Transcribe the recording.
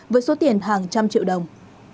với số tiền hàng trăm triệu đồng